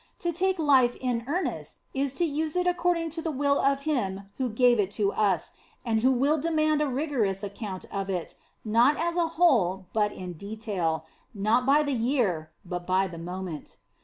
To tajce life in earnest, is to use it according to the will of Him who gave it to us, and who will demand a rigorous account of it, not as a whole, but in detail ; not by the year, but by the moment.